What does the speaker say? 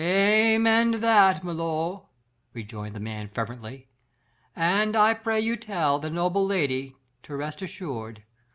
"Amen to that, milor!" rejoined the man fervently. "Then I pray you tell the noble lady to rest assured.